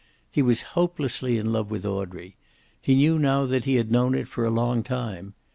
He was hopelessly in love with Audrey. He knew now that he had known it for a long time.